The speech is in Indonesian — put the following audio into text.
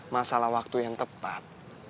masalah waktu yang tepat